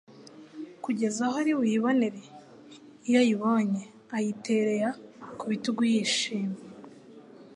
kugeza aho aribuyibonere? Iyo ayibonye ayitereya ku bitugu yishimye,